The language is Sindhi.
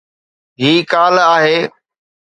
هي ڪالهه آهي.